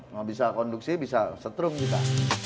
mau bisa konduksi bisa setrum kita